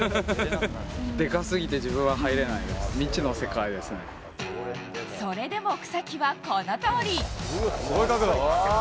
でかすぎて、自分は入れないそれでも草木はこのとおり。